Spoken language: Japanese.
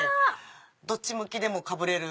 どっち向きでもかぶれる。